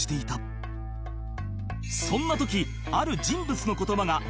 そんな時